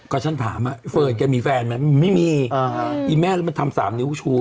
ก็ฉันถามอ่ะเฟิร์นแกมีแฟนไหมไม่มีอีแม่แล้วมันทำสามนิ้วชู